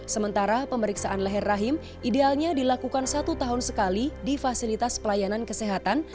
sementara pemeriksaan leher rahim idealnya dilakukan satu tahun sekali di fasilitas pelayanan kesehatan